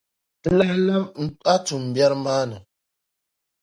Di lahi labi a tummbiɛri maa ni.